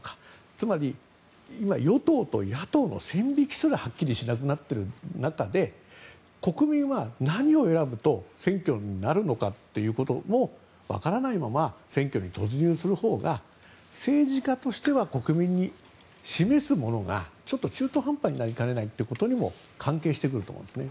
つまり、今与党と野党の線引きすらはっきりしなくなっている中国民は何を選ぶと選挙になるのかということも分からないまま選挙に突入するほうが政治家としては国民に示すものがちょっと中途半端になりかねないということにも関係してくると思うんですね。